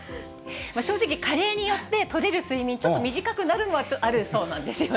正直、加齢によってとれる睡眠、ちょっと短くなるのはあるそうなんですよね。